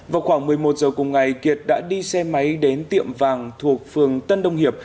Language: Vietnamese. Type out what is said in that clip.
vào khoảng một mươi một giờ cùng ngày kiệt đã đi xe máy đến tiệm vàng thuộc phường tân đông hiệp